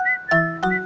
ya udah deh